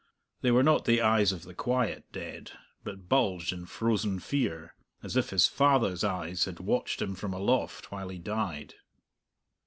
They were not the eyes of the quiet dead, but bulged in frozen fear, as if his father's eyes had watched him from aloft while he died.